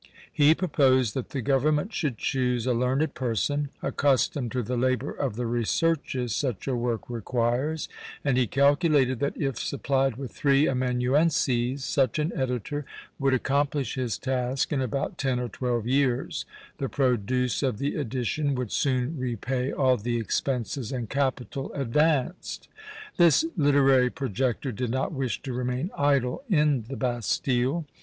He proposed that the government should choose a learned person, accustomed to the labour of the researches such a work requires; and he calculated, that if supplied with three amanuenses, such an editor would accomplish his task in about ten or twelve years, the produce of the edition would soon repay all the expenses and capital advanced. This literary projector did not wish to remain idle in the Bastile.